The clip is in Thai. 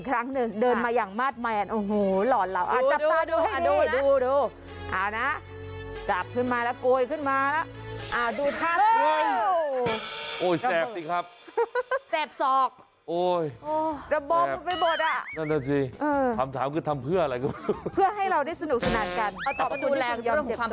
เพื่อให้เราได้สนุกสนานกันต้องกดดูแลงค์เพื่อความปลอดภัยด้วย